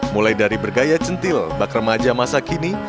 mulai dari bergaya centil bak remaja masa kini